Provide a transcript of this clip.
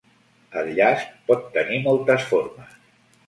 El llast pot tenir moltes formes.